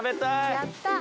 やったー！